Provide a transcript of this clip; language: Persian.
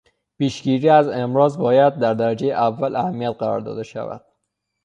پیش گیری از امراض باید در درجهٔ اول اهمیت قرار داده شود.